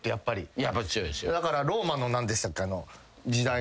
だからローマの何でしたっけ時代の。